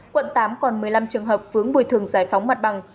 quận tám còn một mươi năm trường hợp vướng bồi thường giải phóng mặt bằng